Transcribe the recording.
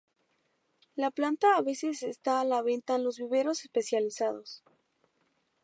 La planta a veces está a la venta en los viveros especializados.